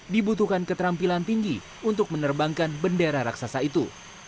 dibutuhkan keterampilan tinggi untuk menerbangkan bendera raksasa itu